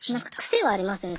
癖はありますよね。